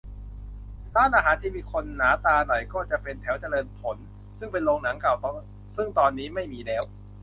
ร้านอาหารที่มีคนหนาตาหน่อย ก็จะเป็นแถวเจริญผล ซึ่งเป็นโรงหนังเก่าซึ่งตอนนี้ไม่มีแล้ว